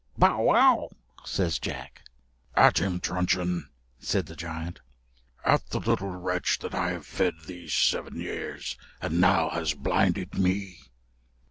"Bow, wow," says Jack. "At him, Truncheon," said the giant; "at the little wretch that I've fed these seven years, and now has blinded me."